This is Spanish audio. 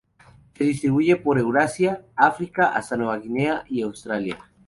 Se distribuye por Eurasia, África, hasta Nueva Guinea y Australia.